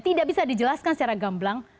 tidak bisa dijelaskan secara gamblang